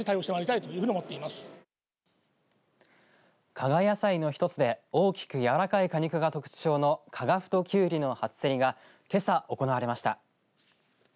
加賀野菜の一つで大きく柔らかい果肉が特徴の加賀太きゅうりの初競りがけさ行われました。